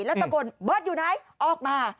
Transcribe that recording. แล้วตะโกนเบิร์ตอยู่ไหนออกมา